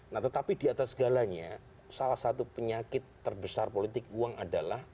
nah tetapi di atas segalanya salah satu penyakit terbesar politik uang adalah